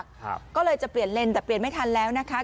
ก็เลยจะเปลี่ยนเลนแต่เปลี่ยนไม่ทันแล้วนะคะ